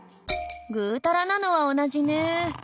ぐたらなのは同じね。